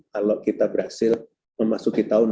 kalau kita berhasil mencapai kemampuan